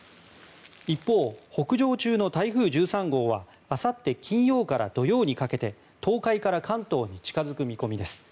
一方、北上中の台風１３号はあさって金曜から土曜にかけて東海から関東に近付く見込みです。